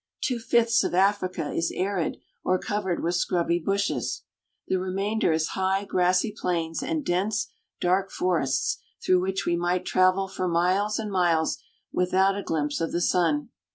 Two fifths of Africa is arid or covered with scrubby bushes. The remainder is high, grassy plains and dense, dark forests through which we might travel for miles and miles without a glimpse of the sun.